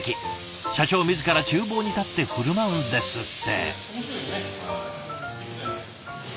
社長自らちゅう房に立って振る舞うんですって。